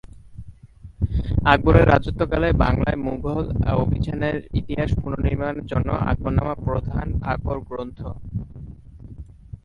আকবরের রাজত্বকালে বাংলায় মুগল অভিযানের ইতিহাস পুননির্মানের জন্য আকবরনামা প্রধান আকর গ্রন্থ।